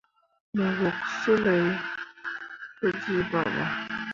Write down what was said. Mo yok sulay pu jiiba ɓo.